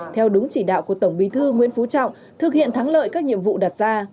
theo đúng chỉ đạo của tổng bí thư nguyễn phú trọng thực hiện thắng lợi các nhiệm vụ đặt ra